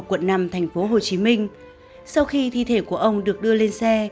quận năm thành phố hồ chí minh sau khi thi thể của ông được đưa lên xe